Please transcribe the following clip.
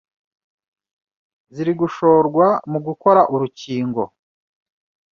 Ziri gushorwa mu gukora urukingo,